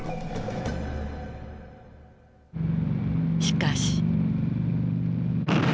しかし。